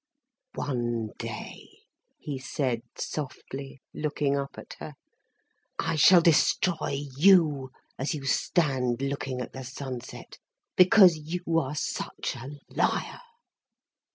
"One day," he said, softly, looking up at her, "I shall destroy you, as you stand looking at the sunset; because you are such a liar."